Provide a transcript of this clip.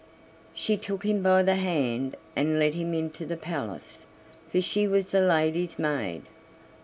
She took him by the hand and let him into the palace, for she was the lady's maid.